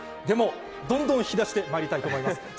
でも、どんどん引き出してまいりたいと思います。